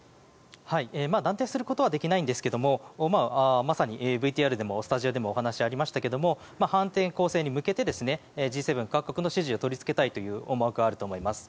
断定することはできないんですがまさにＶＴＲでもスタジオでもお話がありましたが反転攻勢に向けてＧ７各国の支持を取り付けたい思惑があると思います。